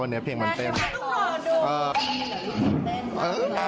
วันนี้เกี่ยวกับกองถ่ายเราจะมาอยู่กับว่าเขาเรียกว่าอะไรอ่ะนางแบบเหรอ